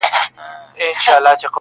o او دده اوښكي لا په شړپ بهيدې.